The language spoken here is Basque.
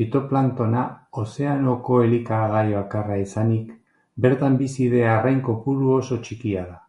Fitoplanktona ozeanoko elikagai bakarra izanik, bertan bizi den arrain kopurua oso txikia da.